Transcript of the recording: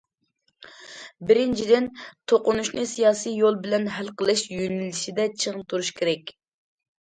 بىرىنچىدىن، توقۇنۇشنى سىياسىي يول بىلەن ھەل قىلىش يۆنىلىشىدە چىڭ تۇرۇش كېرەك.